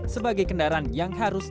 sebagai kendaraan yang harus